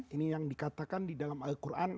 ini yang dikatakan di dalam al quran